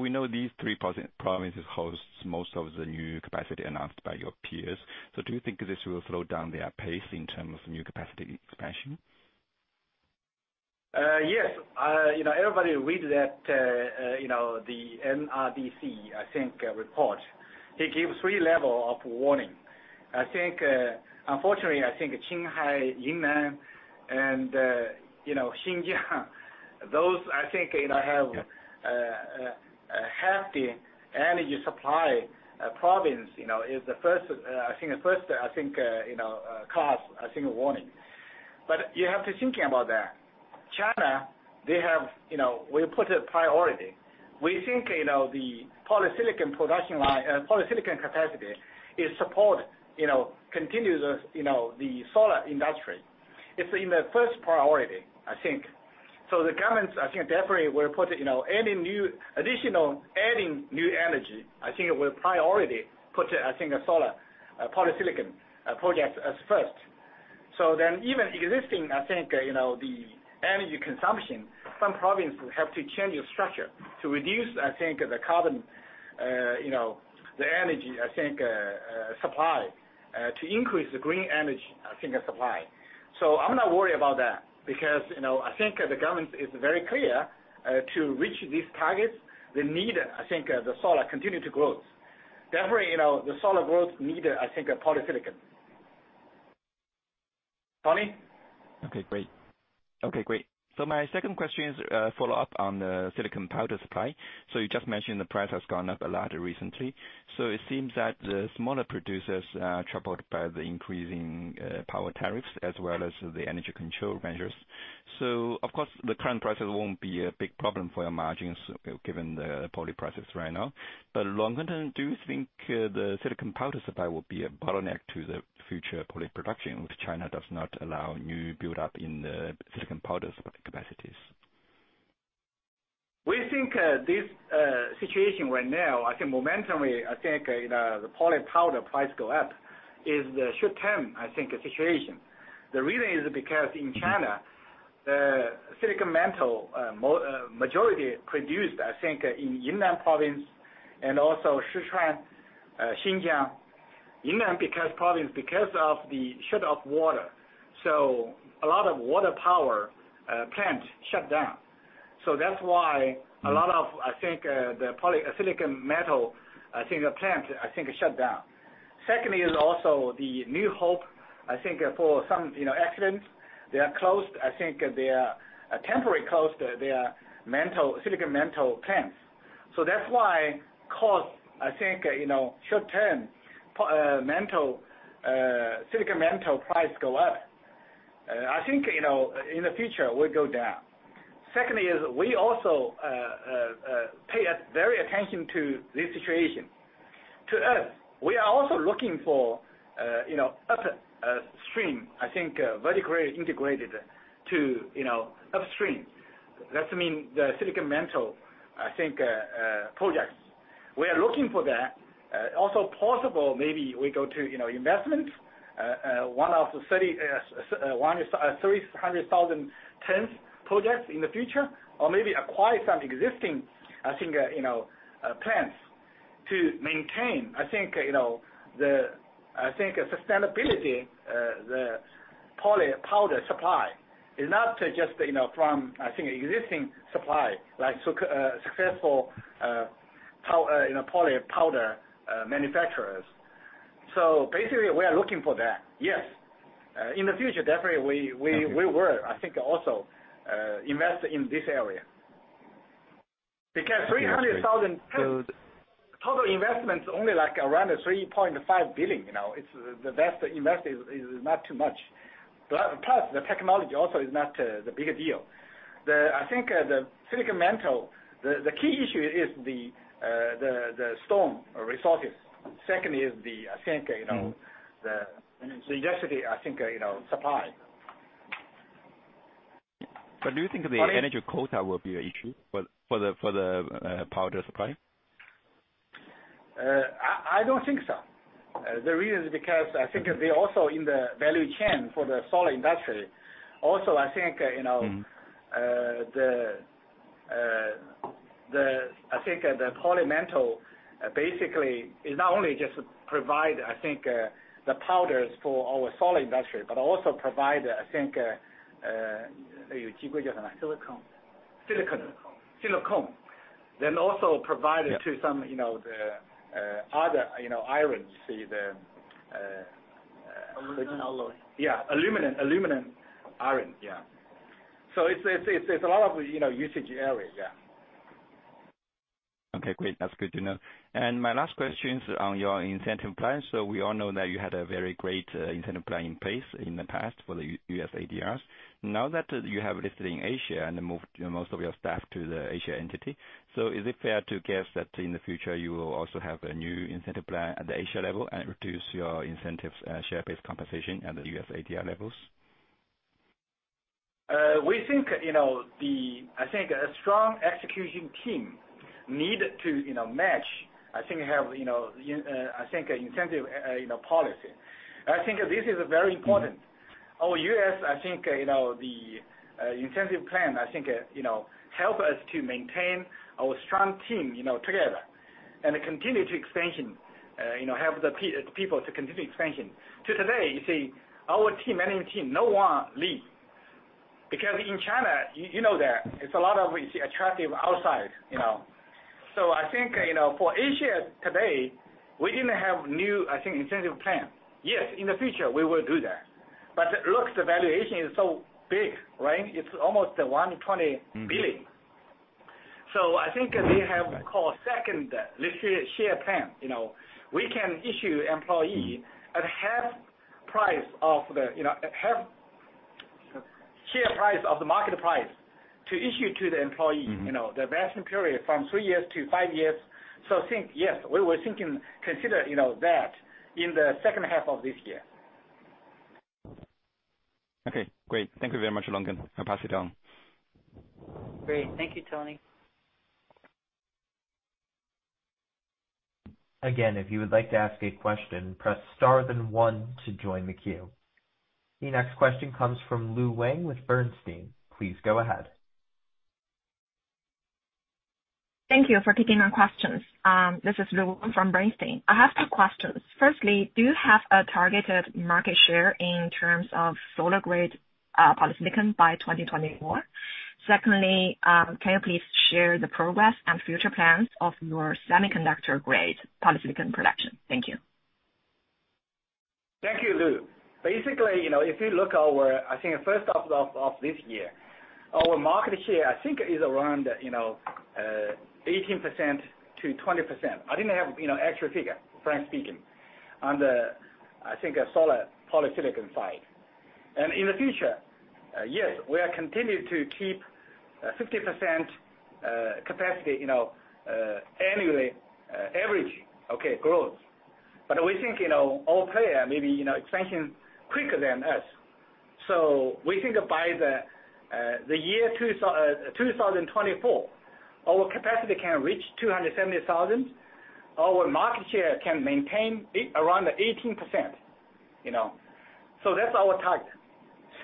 We know these three provinces hosts most of the new capacity announced by your peers. Do you think this will slow down their pace in terms of new capacity expansion? Yes. you know, everybody read that, you know, the NDRC, I think, report. It gives three level of warning. I think, unfortunately, I think Qinghai, Yunnan and, you know, Xinjiang those I think, you know, have, a hefty energy supply, province, you know, is the first, I think the first, I think, you know, cause, I think, a warning. You have to thinking about that. China, they have, you know, we put a priority. We think, you know, the polysilicon production line, polysilicon capacity is support, you know, continuous, you know, the solar industry. It's in the first priority, I think. The governments, I think definitely will put, you know, any new additional adding new energy. I think it will priority put, I think, a solar, polysilicon, projects as first. Even existing, I think, you know, the energy consumption, some provinces have to change structure to reduce, I think, the carbon, you know, the energy, I think, supply, to increase the green energy, I think, supply. I'm not worried about that because, you know, I think the government is very clear, to reach these targets, they need, I think, the solar continue to growth. You know, the solar growth need, I think, a polysilicon. Tony? Okay, great. My second question is, follow up on the silicon powder supply. You just mentioned the price has gone up a lot recently. It seems that the smaller producers are troubled by the increasing power tariffs as well as the energy control measures. Of course, the current prices won't be a big problem for your margins given the poly prices right now. Longer term, do you think the silicon powder supply will be a bottleneck to the future poly production if China does not allow new build-up in the silicon powder capacities? We think, this situation right now, I think momentum-ly, I think, you know, the poly powder price go up is the short-term, I think, situation. Reason is because in China, the silicon metal, majority produced, I think, in Yunnan province and also Sichuan, Xinjiang. Yunnan, because because of the shut off water. A lot of water power plant shut down. A lot of polysilicon metal plant shut down. Secondly is also the New Hope, for some, you know, accidents. They are closed. They are temporary closed their silicon metal plants. That's why cost, you know, short-term silicon metal price go up. You know, in the future will go down. Secondly is we also pay a very attention to this situation. To us, we are also looking for, you know, upstream, vertically integrated to, you know, upstream. That mean the silicon metal projects. We are looking for that. Also possible maybe we go to, you know, investment, one of 30, one is 300,000 tons projects in the future or maybe acquire some existing, I think, you know, plants to maintain. I think, you know, the, I think, sustainability, the poly powder supply is not just, you know, from, I think, existing supply like successful, you know, poly powder manufacturers. Basically, we are looking for that. Yes. In the future, definitely we. Okay. We will, I think, also invest in this area. 300,000. Yeah. Great. -tons, total investment is only like around $3.5 billion, you know. It's the best invest is not too much. Plus, the technology also is not the bigger deal. I think the silicon metal, the key issue is the stone resources. Second is the, I think, you know. The density, I think, you know, supply. Do you think? Tony? Will energy quota be a issue for the powder supply? I don't think so. The reason is because I think they also in the value chain for the solar industry. Also, I think, you know. I think, the silicon metal basically is not only just provide, I think, the powders for our solar industry, but also provide, I think. Silicone. Silicone. Silicone. Yeah. Also provide it to some, you know, the, other, you know, irons. The. Aluminium alloy. Yeah. Aluminium. Aluminium iron. Yeah. It's a lot of, you know, usage area. Yeah. Okay, great. That's good to know. My last question is on your incentive plan. We all know that you had a very great incentive plan in place in the past for the U.S. ADRs. Now that you have listed in Asia and moved, you know, most of your staff to the Asia entity, is it fair to guess that in the future you will also have a new incentive plan at the Asia level and reduce your incentives, share base compensation at the U.S. ADR levels? We think, you know, the I think a strong execution team need to, you know, match, I think have, you know, in, I think incentive, you know, policy. I think this is very important. Our U.S., I think, you know, the incentive plan, I think, you know, help us to maintain our strong team, you know, together, and continue to expansion, you know, help the people to continue expansion. To today, you see, our team, management team, no one leave. Because in China, you know that, it's a lot of, you see, attractive outside, you know. I think, you know, for Asia today, we didn't have new, I think, incentive plan. Yes, in the future, we will do that. Look, the valuation is so big, right? It's almost $120 billion. I think we have call second [the share incentive plan, you know. We can issue employee-at half price of the, you know, at half share price of the market price to issue to the employee. You know, the vesting period from three years to five years. I think, yes, we were thinking, consider, you know, that in the second half of this year. Okay, great. Thank you very much, Longgen. I'll pass it down. Great. Thank you, Tony. Again if you would like to ask a question, press star then one to join the queue. The next question comes from Lu Wang with Bernstein. Please go ahead. Thank you for taking my questions. This is Lu from Bernstein. I have two questions. Firstly, do you have a targeted market share in terms of solar grade polysilicon by 2024? Secondly, can you please share the progress and future plans of your semiconductor-grade polysilicon production? Thank you. Thank you, Lu. Basically, you know, if you look our, I think first half of this year, our market share I think is around, you know, 18%-20%. I didn't have, you know, actual figure, frank speaking, on the, I think, solar polysilicon side. In the future, yes, we are continue to keep 50% capacity, you know, annually, average, okay, growth. We think, you know, all player maybe, you know, expansion quicker than us. We think by the year 2024, our capacity can reach 270,000. Our market share can maintain around 18%, you know. That's our target.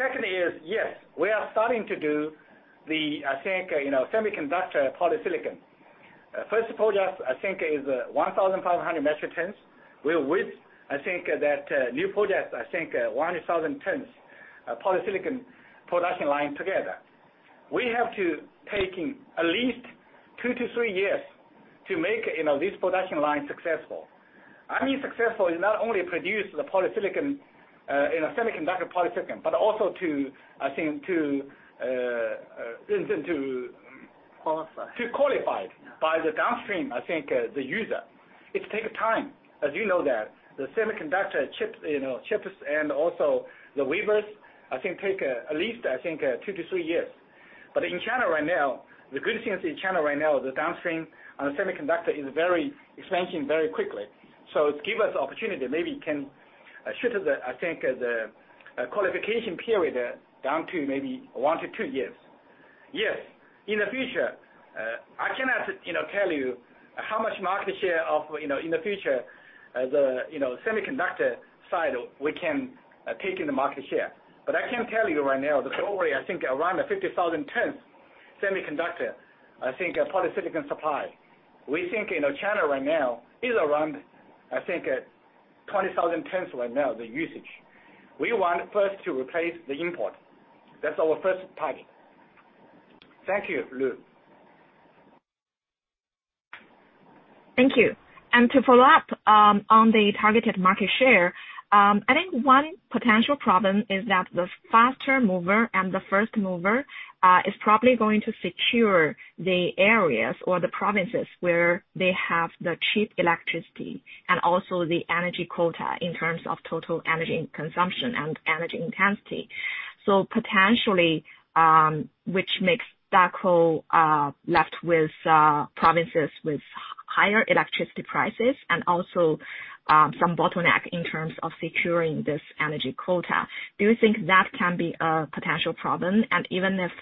Second is, yes, we are starting to do the, I think, you know, semiconductor polysilicon. First project I think is 1,500 metric tons. We'll wait, I think, that new project, I think, 1,000 tons polysilicon production line together. We have to taking at least two to three years to make, you know, this production line successful. I mean, successful is not only produce the polysilicon in a semiconductor polysilicon, but also to, I think to. Qualify. To qualify by the downstream, I think, the user. It take time, as you know that. The semiconductor chip, you know, chips and also the wafers I think take, at least I think, two to three years. In China right now, the good thing is in China right now, the downstream on the semiconductor is very, expansion very quickly. It give us opportunity, maybe can shorter the, I think, the qualification period down to maybe one to two years. Yes, in the future, I cannot, you know, tell you how much market share of, you know, in the future, the, you know, semiconductor side we can take in the market share. I can tell you right now the total, I think around 50,000 tons semiconductor, I think, polysilicon supply. We think in China right now is around, I think, 20,000 tons right now, the usage. We want first to replace the import. That's our first target. Thank you, Lu. Thank you. To follow up on the targeted market share, I think one potential problem is that the faster mover and the first mover is probably going to secure the areas or the provinces where they have the cheap electricity and also the energy quota in terms of total energy consumption and energy intensity. Potentially, which makes Daqo left with provinces with higher electricity prices and also some bottleneck in terms of securing this energy quota. Do you think that can be a potential problem? Even if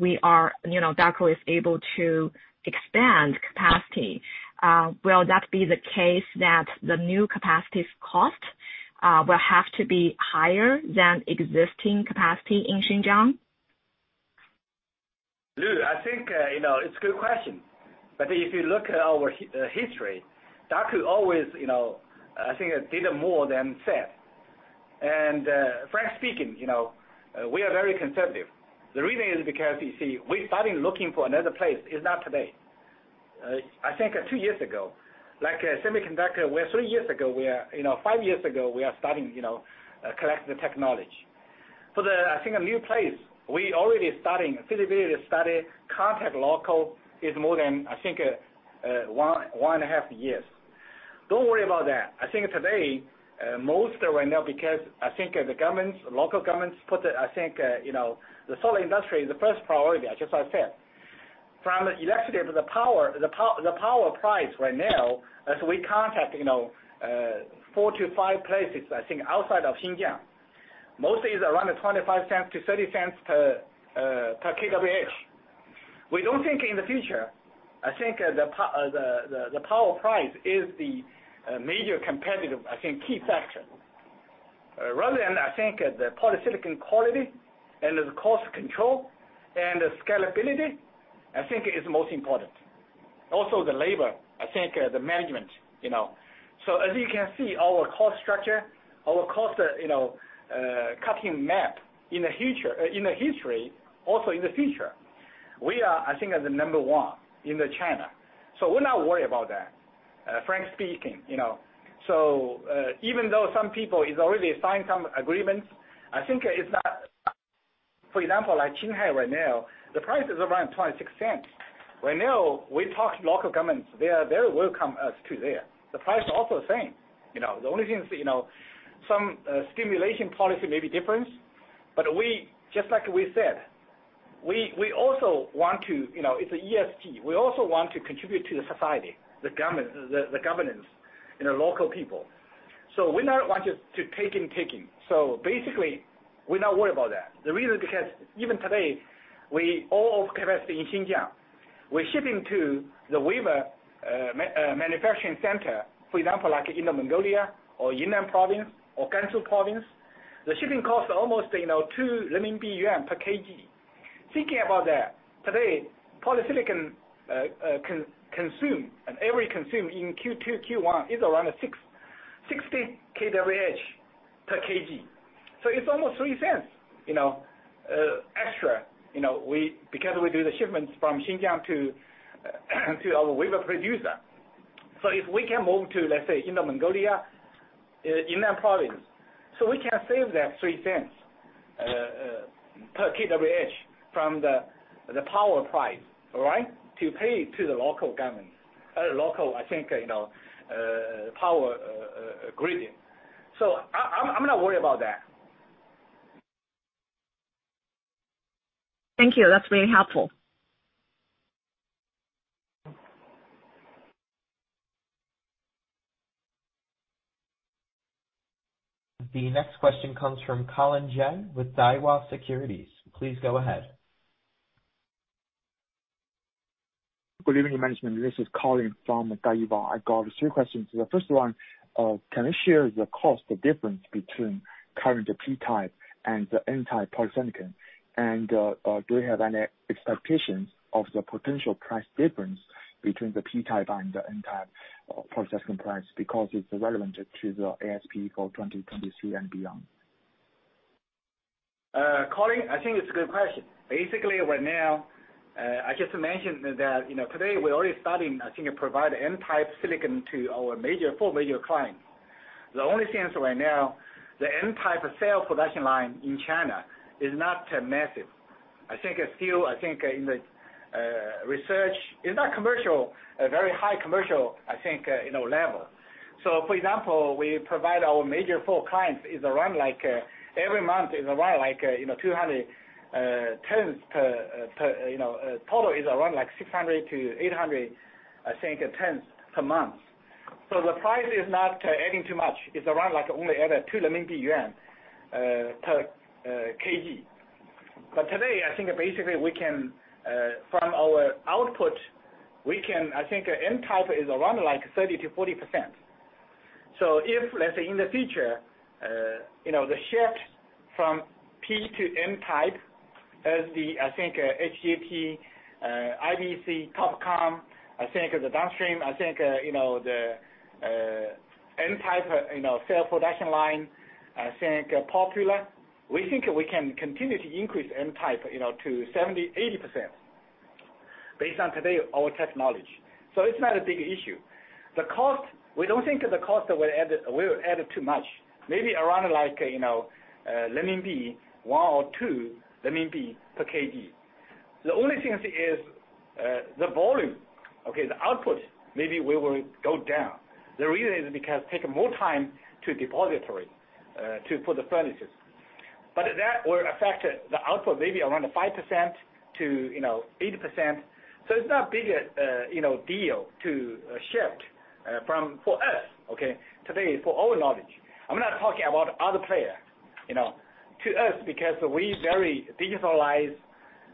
we are, you know, Daqo is able to expand capacity, will that be the case that the new capacity's cost will have to be higher than existing capacity in Xinjiang? Lu, I think, you know, it's good question. If you look at our history, Daqo always, you know, I think did more than said. Frank speaking, you know, we are very conservative. The reason is because, you see, we starting looking for another place is not today. I think, two years ago. Like, semiconductor, we are three years ago. You know, five years ago, we are starting, you know, collect the technology. For the, I think, a new place, we already starting feasibility study, contact local is more than, I think, one and a half years. Don't worry about that. I think today, most right now because I think, the governments, local governments put, I think, you know, the solar industry is the first priority, just I said. From the electricity, the power, the power price right now, as we contact, you know, four to five places, I think, outside of Xinjiang. Mostly is around $0.25 to $0.30 per kWh. We don't think in the future, I think, the power price is the major competitive, I think, key factor. Rather than I think the polysilicon quality and the cost control and the scalability, I think is most important. Also, the labor, I think, the management, you know. As you can see, our cost structure, our cost, you know, cutting map in the history, also in the future, we are, I think, are the number one in the China. We're not worried about that, frank speaking, you know. Even though some people is already signed some agreements, I think it's not for example, like Qinghai right now, the price is around $0.26. Right now, we talked local governments, they are, they will come us to there. The price also the same, you know. The only thing is, you know, some stimulation policy may be different, but we just like we said, we also want to, you know, it's a ESG. We also want to contribute to the society, the governance in the local people. We're not want to taking. Basically, we're not worried about that. The reason because even today, we all of capacity in Xinjiang, we're shipping to the wafer manufacturing center, for example, like Inner Mongolia or Yunnan Province or Gansu Province. The shipping cost almost, you know, 2 renminbi per kg. Thinking about that, today, polysilicon consume, and every consume in Q2, Q1 is around 60 kWh per kg. It's almost $0.03, you know, extra, you know. Because we do the shipments from Xinjiang to our wafer producer. If we can move to, let’s say, Inner Mongolia, Yunnan Province, so we can save that $0.03 per kWh from the power price, all right? To pay to the local government. I'm not worried about that. Thank you. That's really helpful. The next question comes from Colin Yang with Daiwa Securities. Please go ahead. Good evening, management. This is Colin from Daiwa. I got three questions. The first one, can you share the cost, the difference between current P-type and N-type polysilicon? Do you have any expectations of the potential price difference between the P-type and N-type processing price? Because it's relevant to the ASP for 2023 and beyond. Colin, I think it's a good question. Basically, right now, I just mentioned that, you know, today we're already starting, provide N-type silicon to our four major clients. The only thing is right now the N-type cell production line in China is not massive. It's still, in the research It's not commercial, a very high commercial, you know, level. For example, we provide our four major clients is around, like, every month is around, like, you know, 200 tons per, you know, total is around like 600 tons-800 tons per month. The price is not adding too much. It's around like only add 2 renminbi per kg. Today, I think basically we can, from our output, we can I think N-type is around like 30%-40%. If, let's say in the future, you know, the shift from P-type to N-type as the, I think, HJT, IBC, TOPCon, I think at the downstream, I think, you know, the N-type, you know, cell production line, I think, popular. We think we can continue to increase N-type, you know, to 70%, 80% based on today our technology. It's not a big issue. The cost, we don't think the cost will add too much. Maybe around like, you know, 1 or 2 per kg. The only thing is, the volume, okay, the output, maybe will go down. The reason is because take more time to depository, to put the furnaces. That will affect the output maybe around 5% to, you know, 8%. It's not big, you know, deal to shift for us, okay? Today, for our knowledge. I'm not talking about other player, you know. To us, because we very digitalize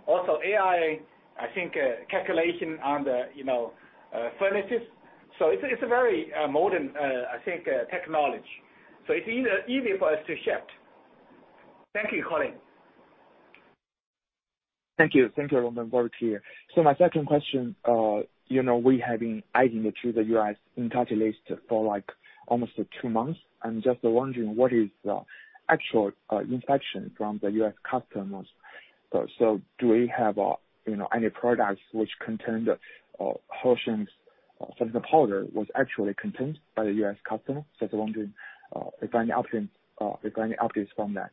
also AI, I think, calculation on the, you know, furnaces. It's a very modern, I think, technology. It's easy for us to shift. Thank you, Colin. Thank you. Thank you. I'm involved here. My second question, you know, we have been adding it to the U.S. Entity List for like almost two months. I'm just wondering what is the actual inspection from the U.S. customers. Do we have, you know, any products which contained Hoshine's silicon powder was actually contained by the U.S. customer? Just wondering if any updates from that.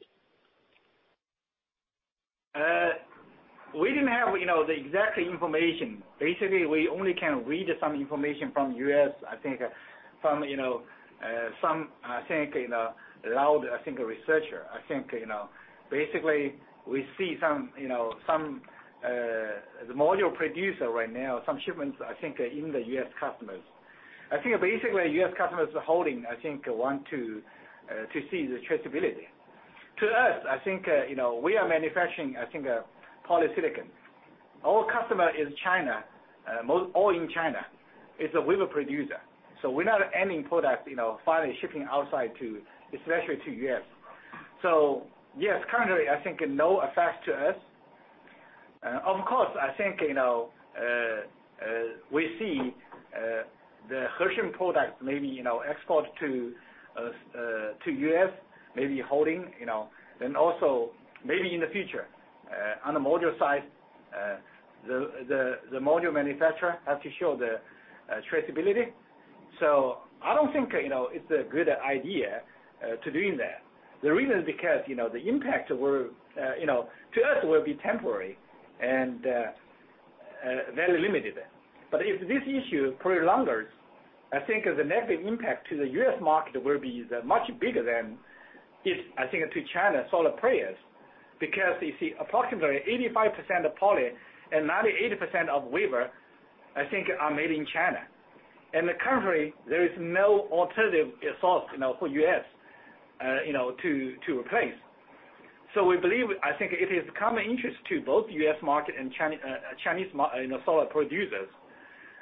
We didn't have, you know, the exact information. Basically, we only can read some information from U.S., you know, some, you know, allowed, a researcher. You know, basically we see some, you know, some, the module producer right now, some shipments, in the U.S. customers. Basically U.S. customers are holding, want to see the traceability. To us, you know, we are manufacturing polysilicon. Our customer is China, most all in China. It's a wafer producer. We're not any product, you know, finally shipping outside to, especially to U.S. Yes, currently, no effect to us. Of course, I think, we see the Hoshine product maybe export to U.S., maybe holding. Also maybe in the future, on the module side, the module manufacturer has to show the traceability. I don't think it's a good idea to doing that. The reason is because the impact will to us will be temporary and very limited. If this issue prolongers, I think the negative impact to the U.S. market will be much bigger than if, I think, to China solar players. You see, approximately 85% of poly and 98% of wafer, I think, are made in China. Currently, there is no alternative source for U.S. to replace. We believe, I think it is common interest to both U.S. market and China, you know, solar producers,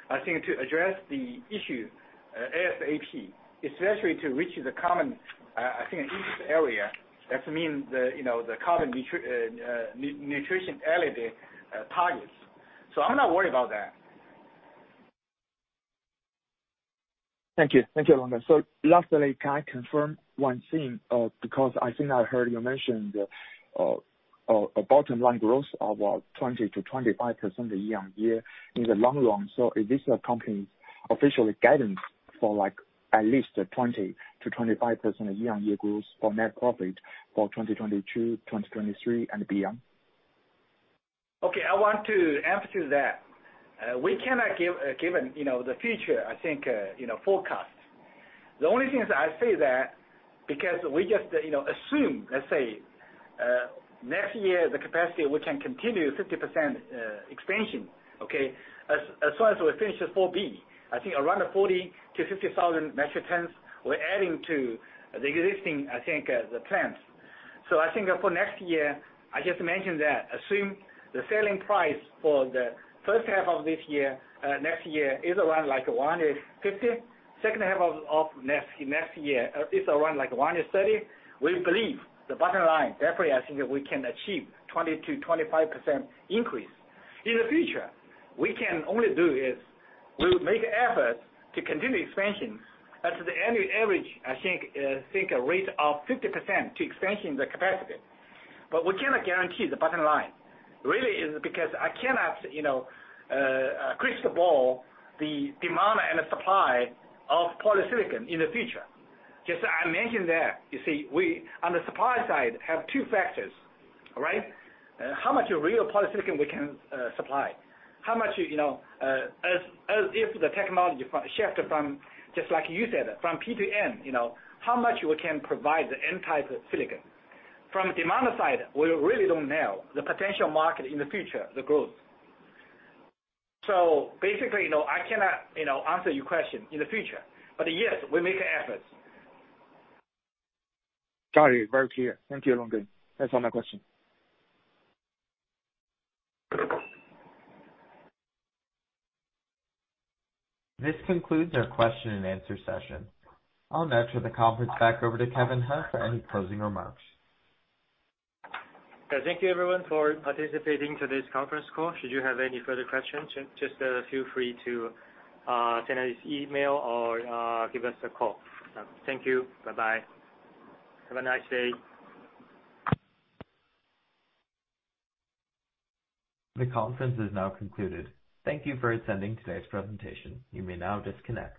I think, to address the issue, ASAP, especially to reach the common, I think, interest area. That means the, you know, the carbon neutrality LED targets. I'm not worried about that. Thank you. Thank you, Longgen. Lastly, can I confirm one thing? Because I think I heard you mention a bottom-line growth of about 20%-25% year-over-year in the long run. Is this company's official guidance for like at least a 20%-25% year-over-year growth for net profit for 2022, 2023 and beyond? Okay, I want to emphasize that we cannot give, given, you know, the future, I think, you know, forecast. The only thing is I say that because we just, you know, assume, let's say, next year the capacity we can continue 50% expansion, okay? As soon as we finish the 4B, around 40,000-50,000 metric tons we're adding to the existing plans. I think for next year, I just mentioned that assume the selling price for the first half of next year is around like 150. Second half of next year is around like 130. We believe the bottom line, definitely we can achieve 20%-25% increase. In the future, we can only do is we'll make efforts to continue expansion at the annual average, I think a rate of 50% to expansion the capacity. We cannot guarantee the bottom line. Really is because I cannot, you know, crystal ball the demand and the supply of polysilicon in the future. Just I mentioned that, you see, we on the supply side have two factors. All right? How much real polysilicon we can supply? How much, you know, as if the technology from shifted from, just like you said, from P to N, you know, how much we can provide the N-type silicon? From demand side, we really don't know the potential market in the future, the growth. Basically, you know, I cannot, you know, answer your question in the future. Yes, we make efforts. Got it. Very clear. Thank you, Longgen. That is all my question. This concludes our question and answer session. I'll now turn the conference back over to Kevin He for any closing remarks. Okay. Thank you everyone for participating in this conference call. Should you have any further questions, just feel free to send us email or give us a call. Thank you. Bye-bye. Have a nice day. The conference is now concluded. Thank you for attending today's presentation. You may now disconnect.